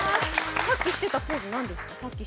さっきしてたポーズ、何ですか？